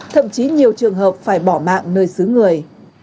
thậm chí nhiều trường hợp phải bỏ mạng nơi xứ người